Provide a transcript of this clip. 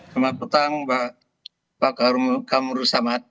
selamat petang pak kamur samad